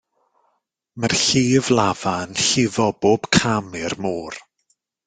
Mae'r llif lafa yn llifo bob cam i'r môr.